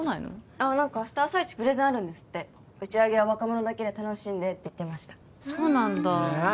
あっ何か明日朝イチプレゼンあるんですって「打ち上げは若者だけで楽しんで」って言ってましたそうなんだえー